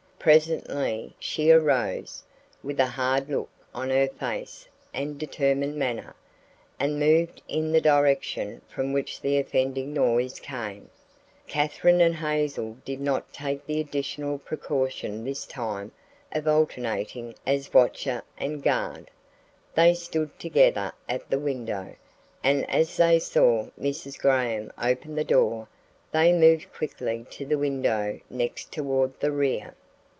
Presently she arose, with a hard look on her face and determined manner, and moved in the direction from which the offending noise came. Katherine and Hazel did not take the additional precaution this time of alternating as watcher and guard. They stood together at the window, and as they saw Mrs. Graham open the door they moved quickly to the window next toward the rear.